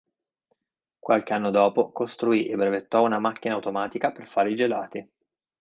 Qualche anno dopo costruì e brevettò una macchina automatica per fare i gelati.